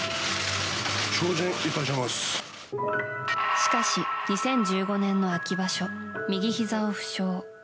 しかし、２０１５年の秋場所右ひざを負傷。